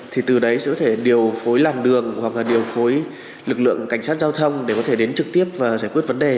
thì từ đấy sẽ có thể điều phối làm đường hoặc là điều phối lực lượng cảnh sát giao thông để có thể đến trực tiếp và giải quyết vấn đề